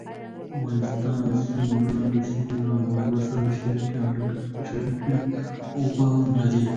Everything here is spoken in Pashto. د افغانستان سیندونه د سیمې له هېوادونو سره شریکې اوبه لري.